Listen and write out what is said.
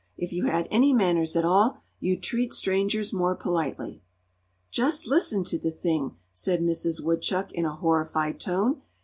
If you had any manners at all, you'd treat strangers more politely." "Just listen to the thing!" said Mrs. Woodchuck, in a horrified tone.